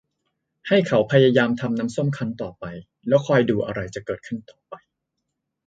ให้เขาพยายามทำน้ำส้มคั้นต่อไปแล้วคอยดูอะไรจะเกิดขึ้นต่อไป